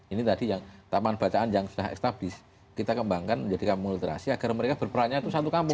ini tadi yang taman bacaan yang sudah estabis kita kembangkan menjadi kampung literasi agar mereka berperannya itu satu kampung